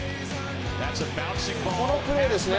このプレーですね。